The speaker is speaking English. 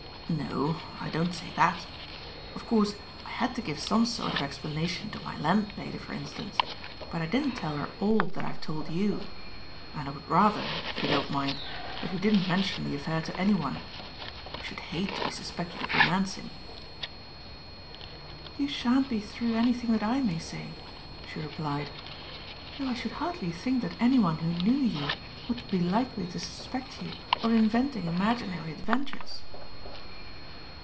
"No, I don't say that. Of course, I had to give some sort of explanation to my landlady, for instance, but I didn't tell her all that I have told you; and I would rather, if you don't mind, that you didn't mention the affair to anyone. I should hate to be suspected of romancing." "You shan't be through anything that I may say," she replied, "though I should hardly think that anyone who knew you would be likely to suspect you of inventing imaginary adventures."